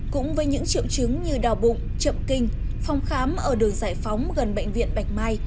cũng với những triệu chứng như đau bụng chậm kinh phòng khám ở đường giải phóng gần bệnh viện bạch mai